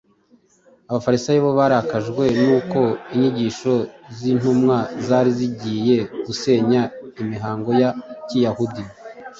Abafarisayo bo barakajwe n’uko inyigisho z’intumwa zari zigiye gusenya imihango ya kiyahudi